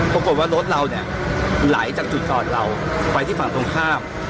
ปรากฏว่ารถเราเนี่ยไหลจากจุดจอดเราไปที่ฝั่งตรงข้าม